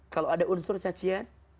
kalau ada unsur cacian